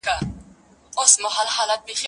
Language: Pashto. زه کولای سم بوټونه پاک کړم،